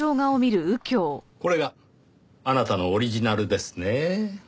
これがあなたのオリジナルですね。